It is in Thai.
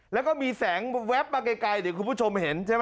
แล้วก็มีแสงแวบมาไกลเดี๋ยวคุณผู้ชมเห็นใช่ไหม